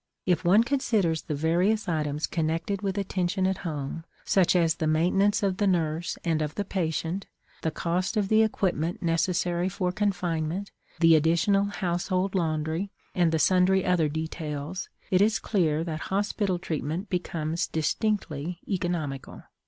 If one considers the various items connected with attention at home, such as the maintenance of the nurse and of the patient, the cost of the equipment necessary for confinement, the additional household laundry, and the sundry other details, it is clear that hospital treatment becomes distinctly economical.